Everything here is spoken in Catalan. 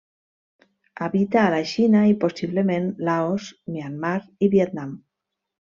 Habita a la Xina i, possiblement Laos, Myanmar i Vietnam.